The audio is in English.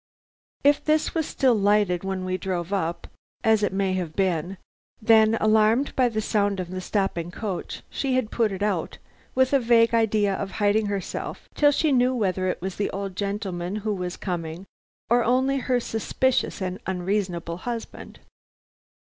If this was still lighted when we drove up, as it may have been, then, alarmed by the sound of the stopping coach, she had put it out, with a vague idea of hiding herself till she knew whether it was the old gentleman who was coming or only her suspicious and unreasonable husband.